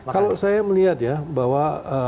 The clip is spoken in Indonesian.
kalau saya melihat ya bahwa